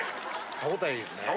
歯応えいいですね。